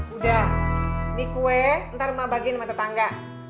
udah ini kue ntar mak bagiin sama tetangga